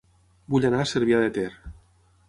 Vull anar a Cervià de Ter